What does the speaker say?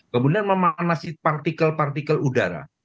kemudian memanasi partikel partikel udara